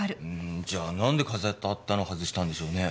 じゃあなんで飾ってあったの外したんでしょうね。